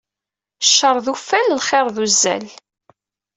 Ccer d uffal, lxir d uzzal.